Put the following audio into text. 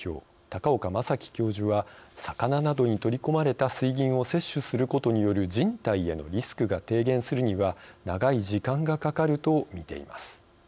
高岡昌輝教授は魚などに取り込まれた水銀を摂取することによる人体へのリスクが低減するには長い時間がかかると見ています。